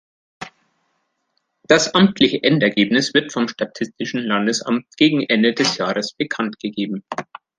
Das amtliche Endergebnis wird vom Statistischen Landesamt gegen Ende des Jahres bekannt gegeben.